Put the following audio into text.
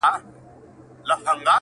د شپې نيمي كي.